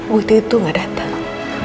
bukti itu gak datang